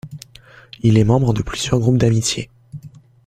Il est membre de plusieurs groupes d'amitié.